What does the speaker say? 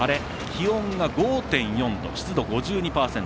気温は５．４度、湿度５２％。